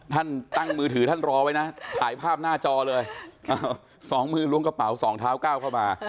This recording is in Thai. ท่านตั้งมือถือท่านรอไว้นะถ่ายภาพหน้าจอเลย๒มือล้วงกระเป๋า๒เท้าก้าวเข้ามา